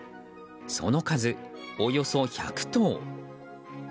その数およそ１００頭。